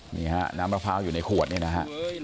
นี่ฮะน้ำมะพร้าวอยู่ในขวดเนี่ยนะฮะ